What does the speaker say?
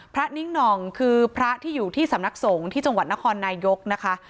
นิ้งหน่องคือพระที่อยู่ที่สำนักสงฆ์ที่จังหวัดนครนายกนะคะ